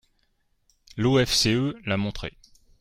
L’OFCE l’a montré.